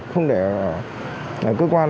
không để cơ quan